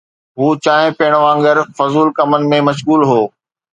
هو چانهه پيئڻ وانگر فضول ڪمن ۾ مشغول هو.